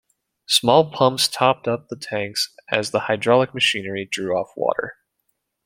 Small pumps topped up the tank as the hydraulic machinery drew off water.